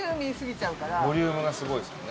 ボリュームがすごいですもんね。